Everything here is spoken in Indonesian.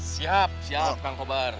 siap siap kang kobar